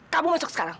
kamu masuk sekarang